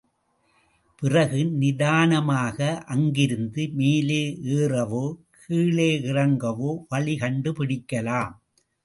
பிறகு நிதானமாக அங்கிருந்து மேலே ஏறவோ, கீழே இறங்கவோ வழி கண்டு பிடிக்கலாம்.